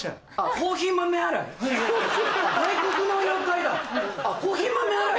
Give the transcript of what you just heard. コーヒー豆洗い？